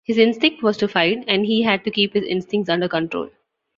His instinct was to fight, and he had to keep his instincts under control.